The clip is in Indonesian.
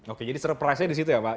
oke jadi surprise nya disitu ya pak